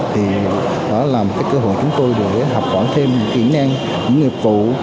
thì đó là một cái cơ hội chúng tôi để hợp quản thêm kỹ năng những nghiệp vụ